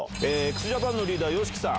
ＸＪＡＰＡＮのリーダー、ＹＯＳＨＩＫＩさん。